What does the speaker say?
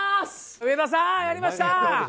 上田さん、やりました。